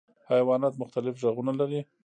حیوانات مختلف غږونه لري.